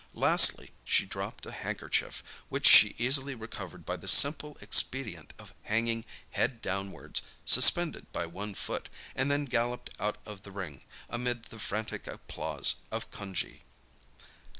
Lastly, she dropped a handkerchief, which she easily recovered by the simple expedient of hanging head downwards, suspended by one foot, and then galloped out of the ring, amid the frantic applause of Cunjee.